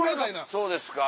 そうですか？